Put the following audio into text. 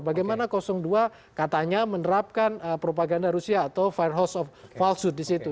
bagaimana dua katanya menerapkan propaganda rusia atau firehose of falsehood disitu